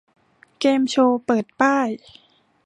เกมโชว์เปิดป้าย